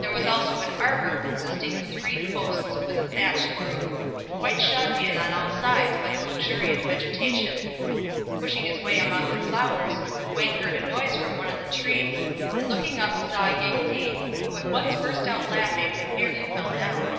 There was also an arbour consisting of three posts with a thatched roof, quite shut in on all sides by the luxurious vegetation. Pushing his way among the flowers, Wang heard a noise from one of the trees, and looking up saw Ying ning, who at once burst out laughing and nearly fell down.